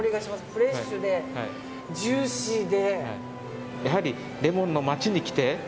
フレッシュでジューシーで。